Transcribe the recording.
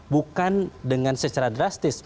bukan dengan secara drastis